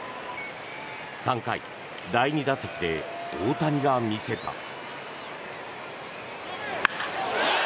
３回、第２打席で大谷が見せた。